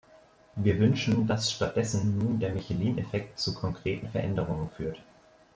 Wir wünschen, dass statt dessen nun der Michelin-Effekt zu konkreten Veränderungen führt.